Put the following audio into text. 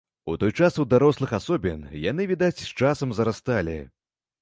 У той жа час у дарослых асобін, яны, відаць, з часам зарасталі.